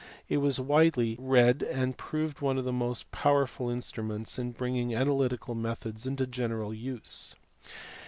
It was widely read and proved one of the most powerful instruments in bringing analytical methods into general use.